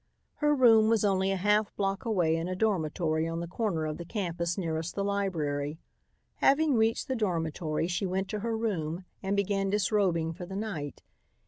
Her room was only a half block away in a dormitory on the corner of the campus nearest the library. Having reached the dormitory, she went to her room and began disrobing for the night.